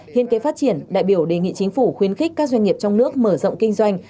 hên kế phát triển đại biểu đề nghị chính phủ khuyến khích các doanh nghiệp trong nước mở rộng kinh doanh